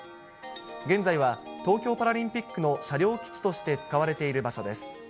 現在は東京パラリンピックの車両基地として使われている場所です。